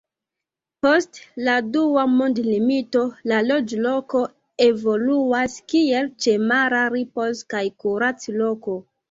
Post la Dua mondmilito la loĝloko evoluas kiel ĉemara ripoz- kaj kurac-loko.